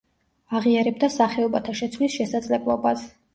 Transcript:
აღიარებდა სახეობათა შეცვლის შესაძლებლობას.